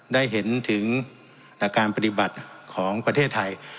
ได้เห็นถึงการปฏิบัติของประเทศไทย